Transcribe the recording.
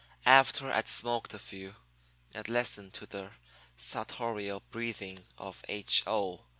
"After I'd smoked a few, and listened to the sartorial breathing of H. O.